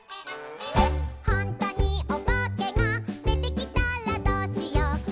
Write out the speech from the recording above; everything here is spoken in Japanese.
「ほんとにおばけがでてきたらどうしよう」